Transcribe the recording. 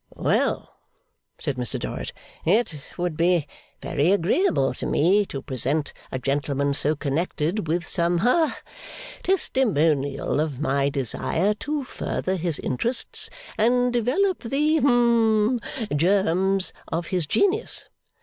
'Well!' said Mr Dorrit. 'It would be very agreeable to me to present a gentleman so connected, with some ha Testimonial of my desire to further his interests, and develop the hum germs of his genius.